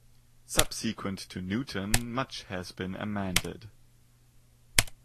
Subsequent to Newton, much has been amended.